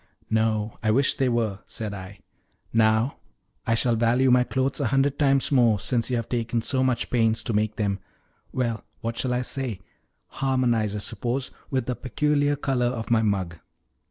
"No; I wish they were," said I. "Now I shall value my clothes a hundred times more, since you have taken so much pains to make them well, what shall I say? harmonize, I suppose, with the peculiar color of my mug.